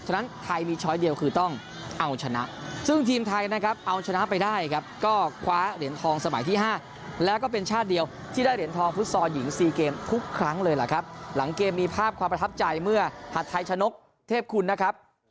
ฉะนั้นไทยมีช้อยเดียวคือต้องเอาชนะซึ่งทีมไทยนะครับเอาชนะไปได้ครับก็คว้าเหรียญทองสมัยที่๕แล้วก็เป็นชาติเดียวที่ได้เหรียญทองฟุตซอลหญิง๔เกมทุกครั้งเลยล่ะครับหลังเกมมีภาพความประทับใจเมื่อหัดไทยชะนกเทพคุณนะครับ